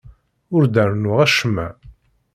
Ur d-rennuɣ acemma.